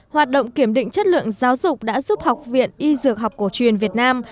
hoạt động kiểm định chất lượng giáo dục đã giúp học viện y dược học cổ truyền việt nam